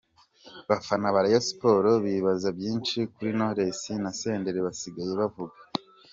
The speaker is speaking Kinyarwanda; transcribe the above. bafana ba Rayon Sport bibaza byinshi kuri Knowless na Senderi basigaye bavuga.